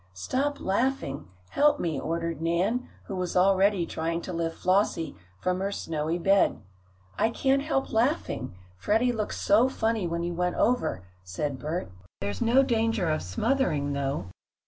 "Stop laughing! Help me!" ordered Nan, who was already trying to lift Flossie from her snowy bed. "I can't help laughing Freddie looked so funny when he went over," said Bert. "There's no danger of smothering, though.